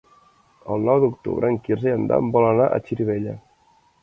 El nou d'octubre en Quirze i en Dan volen anar a Xirivella.